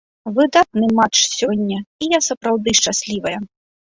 Выдатны матч сёння, і я сапраўды шчаслівая!